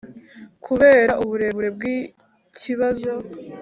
kubera uburemere bw'ikibazo